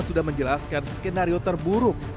sudah menjelaskan skenario terburuk